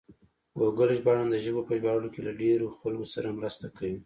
ګوګل ژباړن د ژبو په ژباړلو کې له ډېرو خلکو سره مرسته کوي.